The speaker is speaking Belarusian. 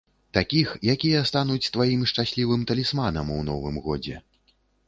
Такіх, якія стануць тваім шчаслівым талісманам у новым годзе.